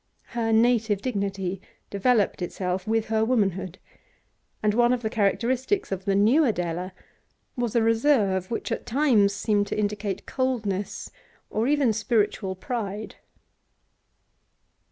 Her native dignity developed itself with her womanhood, and one of the characteristics of the new Adela was a reserve which at times seemed to indicate coldness or even spiritual pride.